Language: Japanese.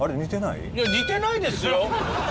いや似てないですよ